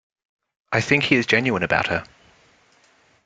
I think he is genuine about her.